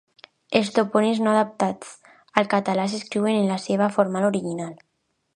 Els topònims no adaptats al català s'escriuen en la seva forma original.